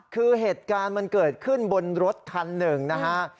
คือเหตุการณ์มันเกิดขึ้นบนรถคันหนึ่งนะฮะ